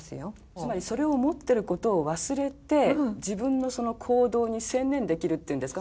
つまりそれを持ってることを忘れて自分のその行動に専念できるっていうんですか。